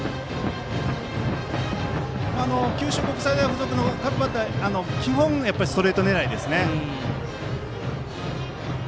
九州国際大付属の各バッターは基本、ストレート狙いですね。